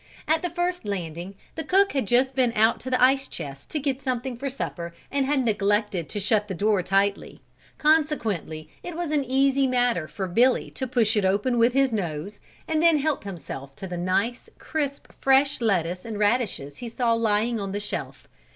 At the first landing, the cook had just been out to the ice chest to get something for supper and had neglected to shut the door tightly, consequently it was an easy matter for Billy to push it open with his nose, and then help himself to the nice, crisp, fresh lettuce and radishes he saw lying on the shelf.